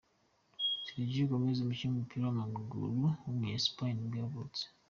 Sergi Gómez, umukinnyi w’umupira w’amaguru w’umunya-Espagne nibwo yavutse.